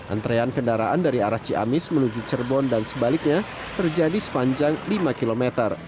antrean kendaraan dari arah ciamis menuju cerbon dan sebaliknya terjadi sepanjang lima km